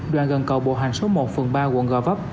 đoàn gần cầu bộ hành số một phường ba quận gò vóc